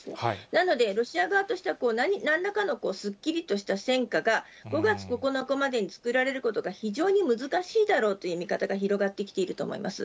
なので、ロシア側としてはなんらかのすっきりとした戦果が、５月９日までに作られることが非常に難しいだろうという見方が広がってきていると思います。